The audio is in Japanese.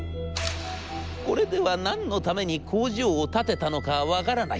これでは何のために工場を建てたのか分からない。